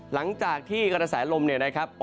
หลังจากที่กระแสลมเนี่ยนะครับ